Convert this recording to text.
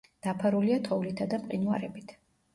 დაფარულია თოვლითა და მყინვარებით.